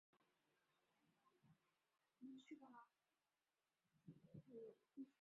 曾任远东国际军事法庭检察官顾问。